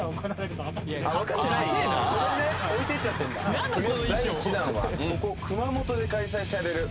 とりあえず第１弾はここ熊本で開催される